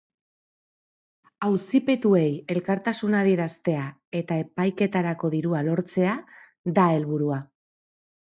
Auzipetuei elkartasuna adieraztea eta epaiketarako dirua lortzea da helburua.